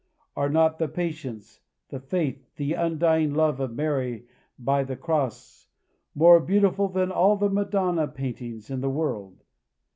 Are not the patience, the faith, the undying love of Mary by the cross, more beautiful than all the Madonna paintings in the world.